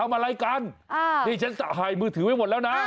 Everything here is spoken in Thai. อะไรกันนี่ฉันหายมือถือไว้หมดแล้วนะ